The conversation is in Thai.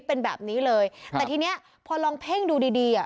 เป็นแบบนี้เลยแต่ทีเนี้ยพอลองเพ่งดูดีดีอ่ะ